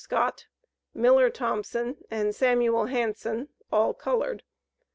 Scott, Miller Thompson, and Samuel Hanson, all colored.